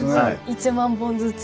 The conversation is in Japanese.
１万本ずつ。